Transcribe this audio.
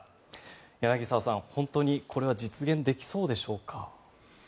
柳澤さん、本当にこれは実現できそうでしょうか。